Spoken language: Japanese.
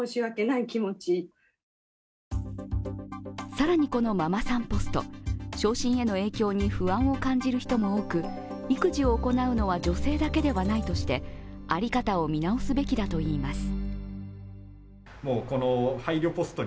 更にこのママさんポスト、昇進への影響に不安を感じる人も多く、育児を行うのは女性だけではないとして在り方を見直すべきだといいます。